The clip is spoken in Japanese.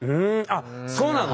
あっそうなの？